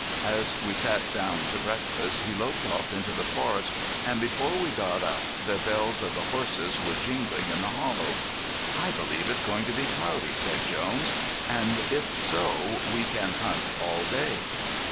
As we sat down to breakfast he loped off into the forest and before we got up the bells of the horses were jingling in the hollow. "I believe it's going to be cloudy," said Jones, "and if so we can hunt all day."